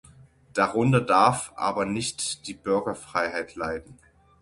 Darunter darf aber nicht die Bürgerfreiheit leiden.